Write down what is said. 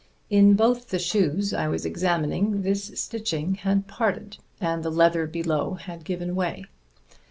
In both the shoes I was examining this stitching had parted, and the leather below had given way.